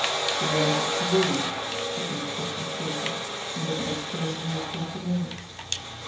"He went to Toulouse," said the inspector shortly, and did not explain how he came to know.